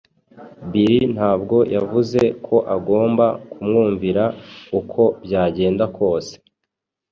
Bill ntabwo yavuze ko agomba kumwumvira uko byagenda kose.